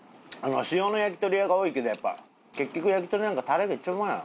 塩の焼き鳥屋が多いけどやっぱ結局焼き鳥なんかタレが一番うまいわ。